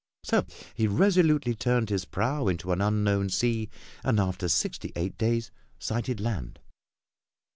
So he resolutely turned his prow into an unknown sea, and after sixty eight days sighted land.